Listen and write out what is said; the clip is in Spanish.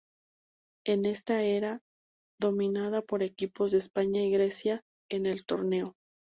En esta era dominada por equipos de España y Grecia en el torneo.